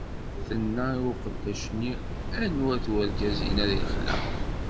Tenna i uqeddac-nni: Anwa-t urgaz inna di lexla?